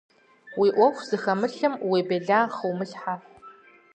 Уи ӏуэху зыхэмылъым уи бэлагъ хыумылъхьэ.